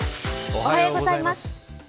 おはようございます。